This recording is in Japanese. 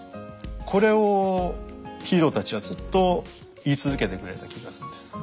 これをヒーローたちはずっと言い続けてくれた気がするんです。